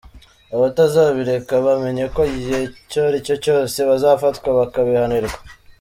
Abatazabireka bamenye ko igihe icyo ari cyo cyose bazafatwa bakabihanirwa.